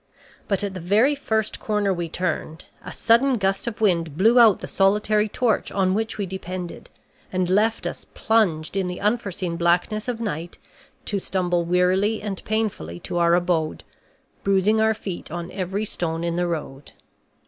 But at the very first corner we turned, a sudden gust of wind blew out the solitary torch on which we depended, and left us, plunged in the unforeseen blackness of night, to stumble wearily and painfully to our abode, bruising our feet on every stone in the road.